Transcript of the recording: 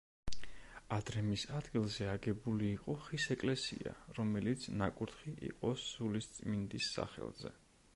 ადრე მის ადგილზე აგებული იყო ხის ეკლესია, რომელიც ნაკურთხი იყო სულიწმინდის სახელზე.